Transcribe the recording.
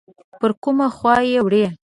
پر کومه خوا یې وړي؟